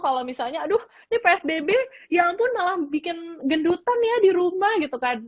kalau misalnya aduh ini psbb ya ampun malah bikin gendutan ya di rumah gitu kan